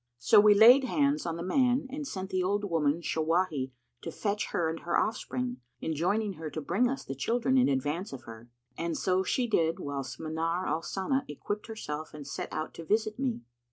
So we laid hands on the man and sent the old woman Shawahi to fetch her and her offspring, enjoining her to bring us the children in advance of her. And she did so, whilst Manar al Sana equipped herself and set out to visit me.